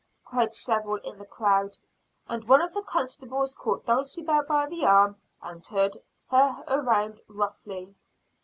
cried several in the crowd. And one of the constables caught Dulcibel by the arm, and turned her around roughly.